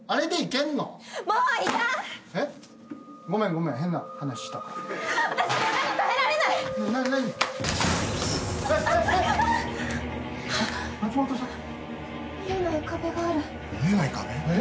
「見えない壁」？